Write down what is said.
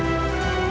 satu gaya jari mani